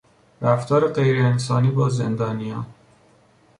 رفتار غیرانسانی با زندانیان